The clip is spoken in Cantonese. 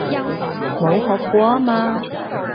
冇學過吖嘛